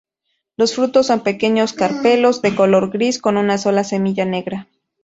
Los frutos son pequeños carpelos, de color gris, con una sola semilla negra.